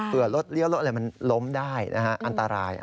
รถเลี้ยวรถอะไรมันล้มได้นะฮะอันตราย